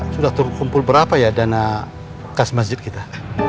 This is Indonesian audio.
sudah terkumpul berapa ya dana kas masjid kita